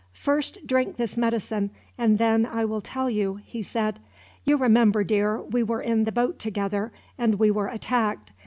"First drink this medicine, and then I will tell you," he said. "You remember, dear, we were in the boat together, and we were attacked.